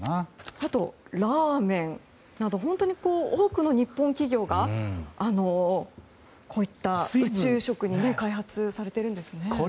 あと、ラーメンなど本当に多くの日本企業がこういった宇宙食を開発されているんですね。